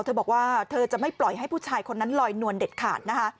เธอบอกว่าเธอจะไม่ปล่อยให้ผู้ชายคนนั้นลอยนวลเด็ดขาดนะคะ